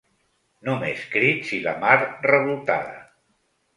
Només crits i la mar revoltada.